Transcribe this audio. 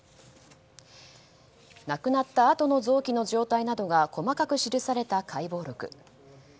亡くなったあとの臓器の状態などが細かく記された解剖録。